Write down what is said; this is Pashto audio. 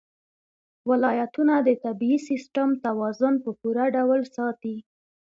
ولایتونه د طبعي سیسټم توازن په پوره ډول ساتي.